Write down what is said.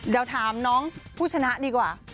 เดี๋ยวถามน้องผู้ชนะดีกว่า